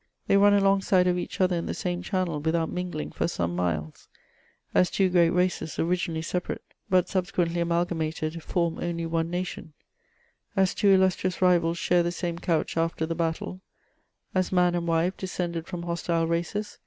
They run alongside of each other in the same channel without mingling, for some miles :— as two great races, originally separate, but subsequently amalgamated, form only one nation ; as two illustrious rivals snare the same couch after the battle ; as man and wife, descended from hostile races, CHATEAUBRIAKD.